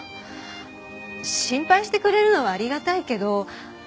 心配してくれるのはありがたいけど。